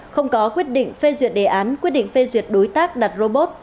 không có quyết định phê duyệt đề án quyết định phê duyệt đối tác đặt robot